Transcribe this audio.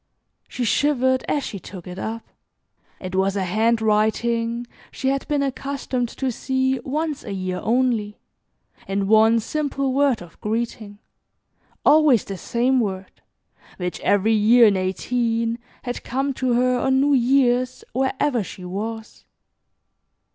She shivered as she took it up. It was a handwriting she had been accustomed to see once a year only, in one simple word of greeting, always the same word, which every year in eighteen had come to her on New Year's wherever she was.